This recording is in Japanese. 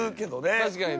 確かにね。